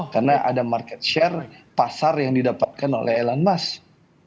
karena ada market share pasar yang didapatkan oleh elon musk